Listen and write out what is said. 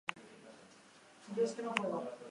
Euriak baldintzatu ditu entrenamenduak.